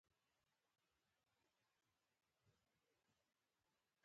د یفتلیانو سپین هونیان دلته راغلل